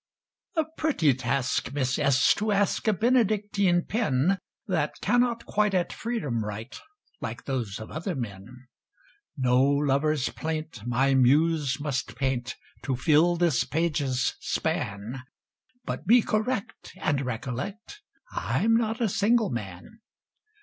A pretty task, Miss S , to ask A Benedictine pen, That cannot quite at freedom write Like those of other men. No lover's plaint my muse must paint To fill this page's span, But be correct and recollect I'm not a single man.